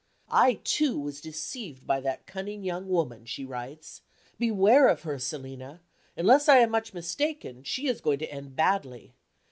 "I too was deceived by that cunning young Woman," she writes. "Beware of her, Selina. Unless I am much mistaken, she is going to end badly.